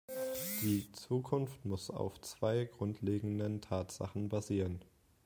Die Zukunft muss auf zwei grundlegenden Tatsachen basieren.